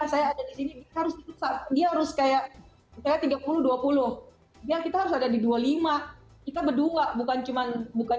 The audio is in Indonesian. saya ada disini dia harus kayak tiga puluh dua puluh ya kita harus ada di dua puluh lima kita berdua bukan cuman bukan